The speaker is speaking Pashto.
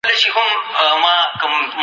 حکومتونه د اړیکو له لاري پرمختګ کوي.